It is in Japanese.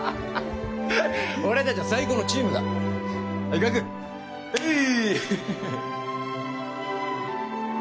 俺達は最高のチームだはいガクはい！